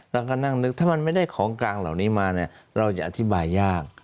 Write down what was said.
แล้วก็นั่งนึกถ้ามันไม่ได้ของกลางเหล่านี้มาเนี่ยเราจะอธิบายยาก